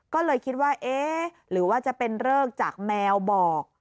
ก็เลยคิดว่าเอ๊ะหรือว่าจะเป็นเริกจากแมวบอก